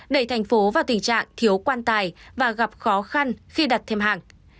đẩy thành phố vào tình trạng thiếu quan tài và gặp khó khăn khi đặt thêm hàng